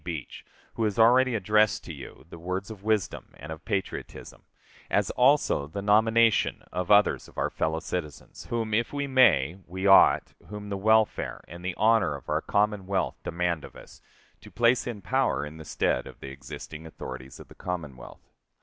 Beach] who has already addressed to you the words of wisdom and of patriotism; as also the nomination of others of our fellow citizens, whom if we may we ought, whom the welfare and the honor of our Commonwealth demand of us, to place in power in the stead of the existing authorities of the Commonwealth.